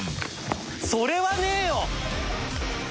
それはねえよ！